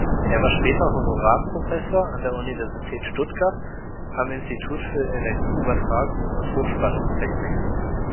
Er war später Honorarprofessor an der Universität Stuttgart am Institut für Energieübertragung und Hochspannungstechnik.